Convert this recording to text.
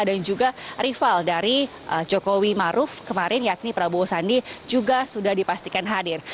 dan juga rival dari jokowi maruf kemarin yakni prabowo sandi juga sudah dipastikan hadir